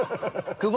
久保！